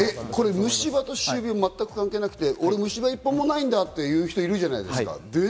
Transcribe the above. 虫歯と歯周病は全く関係なくて、虫歯一本もないんだっていう人いるじゃないですか？